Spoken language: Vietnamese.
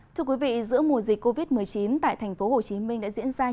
thưa quý vị giữa mùa dịch covid một mươi chín tại tp hcm đã diễn ra nhiều chuyện